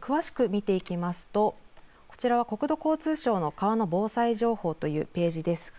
詳しく見ていきますとこちらは国土交通省川の防災情報というページです。